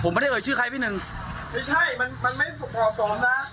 ผมไม่ได้เอ่ยชื่อใครพี่หนึ่งไม่ใช่มันมันไม่เหมาะสมนะ